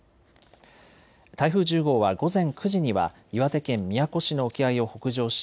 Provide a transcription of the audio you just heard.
台風１０号は午前９時には岩手県宮古市の沖合を北上し